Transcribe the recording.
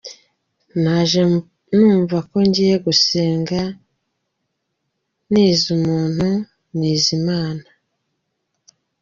Naje numva ko ngiye gusenga, nize umuntu, nize Imana.